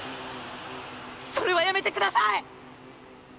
それはやめてください！